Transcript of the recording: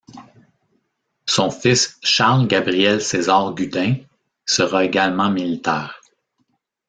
Son fils Charles Gabriel César Gudin sera également militaire.